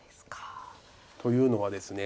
というのはですね